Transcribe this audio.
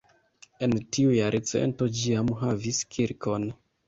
En tiu jarcento ĝi jam havis kirkon.